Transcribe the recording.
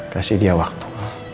kasih dia waktu